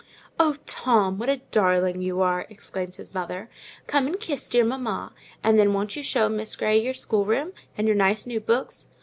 "Oh, Tom, what a darling you are!" exclaimed his mother. "Come and kiss dear mamma; and then won't you show Miss Grey your schoolroom, and your nice new books?"